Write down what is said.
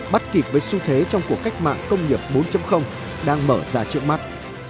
bắt kịp với xu thế trong cuộc cách mạng công nghiệp bốn đang mở ra trước mắt